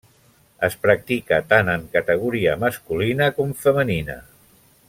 Es practica tant en categoria masculina com femenina.